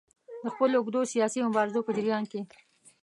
د خپلو اوږدو سیاسي مبارزو په جریان کې.